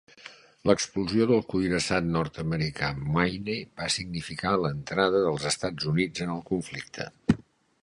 L'explosió del Cuirassat Nord-americà Maine va significar l'entrada dels Estats Units en el conflicte.